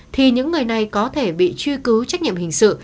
thì những người này có thể bị truy cứu trách nhiệm hình sự